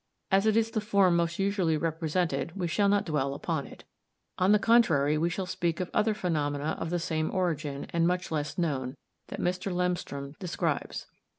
As it is the form most usually represented, we shall not dwell upon it. On the contrary, we shall speak of other phenomena of the same origin, and much less known, that Mr. Lemstrom describes.